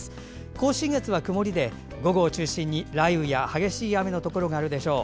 甲信越は曇りで、午後を中心に雷雨や激しい雨のところがあるでしょう。